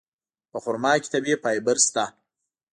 په خرما کې طبیعي فایبر شته.